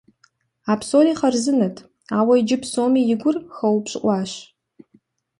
А псори хъарзынэт, ауэ иджы псоми и гур хуэупщӏыӏуащ.